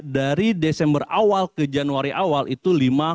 dari desember awal ke januari awal itu lima